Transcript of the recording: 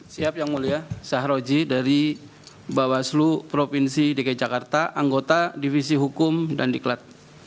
siap yang mulia syahroji dari bawaslu provinsi dki jakarta anggota divisi hukum dan diklat